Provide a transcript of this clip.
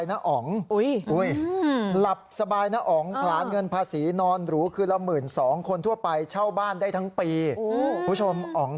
หลับให้สบายนะอ๋๋อง